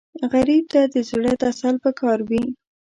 غریب ته د زړه تسل پکار وي